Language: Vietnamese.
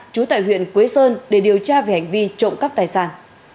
trú tại huyện quế sơn để điều tra về hành vi trộm cắp tài sản